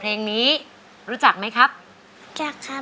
เพลงนี้ที่๕หมื่นบาทแล้วน้องแคน